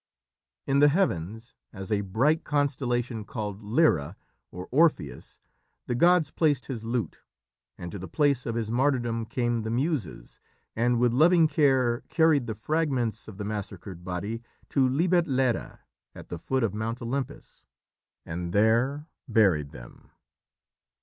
In the heavens, as a bright constellation called Lyra, or Orpheus, the gods placed his lute, and to the place of his martyrdom came the Muses, and with loving care carried the fragments of the massacred body to Libetlera, at the foot of Mount Olympus, and there buried them.